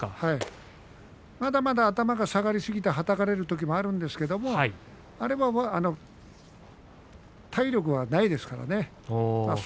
まだまだ頭が下がりすぎてはたかれることはあるんですけれどあれは体力はないですからね。